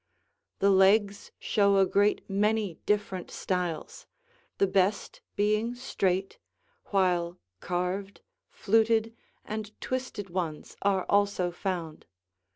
The legs show a great many different styles, the best being straight, while carved, fluted, and twisted ones are also found.